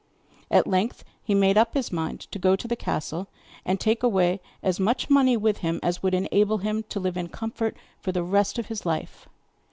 At length he made up his mind to go to the caste and take away as much money with him as would enable him to live in comfort for the rest of his life.